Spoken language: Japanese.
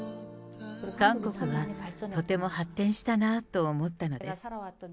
韓国はとても発展したなと思ったのです。